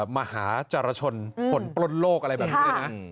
มหาจรชนผลปลดโลกอะไรแบบนี้นะ